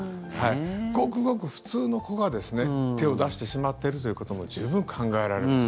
ごくごく普通の子が手を出してしまっているということも十分、考えられます。